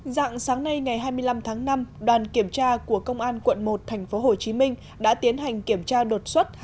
dạng sáng nay ngày hai mươi năm tháng năm đoàn kiểm tra của công an quận một tp hcm đã tiến hành kiểm tra đột xuất